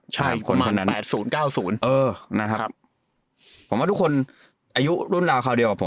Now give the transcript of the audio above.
ใช่ประมาณแปดศูนย์เก้าศูนย์เออนะครับผมว่าทุกคนอายุรุ่นราวเขาเดียวกับผม